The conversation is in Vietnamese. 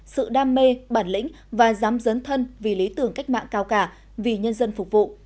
sự đam mê bản lĩnh và dám dấn thân vì lý tưởng cách mạng cao cả vì nhân dân phục vụ